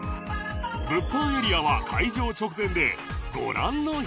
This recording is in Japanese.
物販エリアは開場直前でご覧の人だかりに